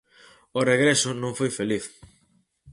O regreso non foi feliz.